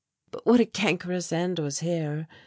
_ But what a cankerous end was here.